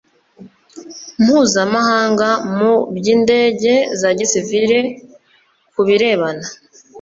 Mpuzamahanga mu by Indege za Gisivili ku birebana